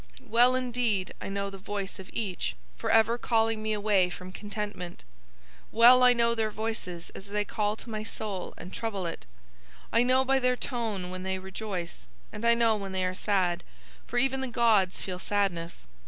Well indeed I know the voice of each, for ever calling me away from contentment; well I know Their voices as they call to my soul and trouble it; I know by Their tone when They rejoice, and I know when They are sad, for even the gods feel sadness.